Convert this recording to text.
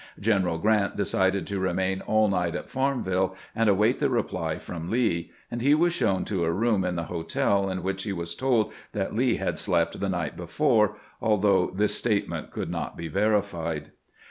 General Grant de cided to remain all night at Farmville and await the reply from Lee, and he was shown to a room in the hotel in which he was told that Lee had slept the night before, although this statement could not be verified.